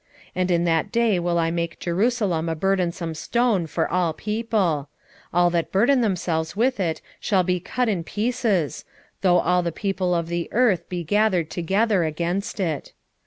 12:3 And in that day will I make Jerusalem a burdensome stone for all people: all that burden themselves with it shall be cut in pieces, though all the people of the earth be gathered together against it.